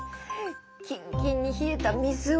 キンキンにひえた水を。